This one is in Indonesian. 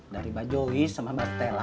dari mba joey sama mba stella